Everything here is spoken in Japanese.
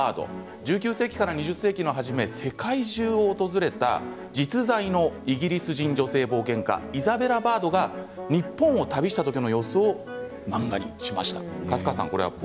１９世紀から２０世紀初め世界中を訪れた実在のイギリス人女性冒険家イザベラ・バードが日本を旅した時の様子を漫画にしました。